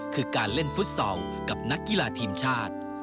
คือการเล่นฟุตซอลกับนักกีฬาทีมชาติ